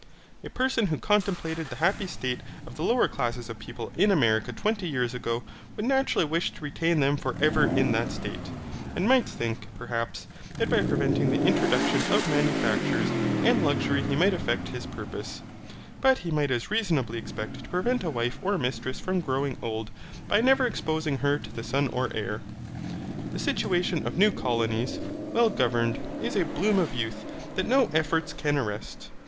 A person who contemplated the happy state of the lower classes of people in America twenty years ago would naturally wish to retain them for ever in that state, and might think, perhaps, that by preventing the introduction of manufactures and luxury he might effect his purpose, but he might as reasonably expect to prevent a wife or mistress from growing old by never exposing her to the sun or air. The situation of new colonies, well governed, is a bloom of youth that no efforts can arrest.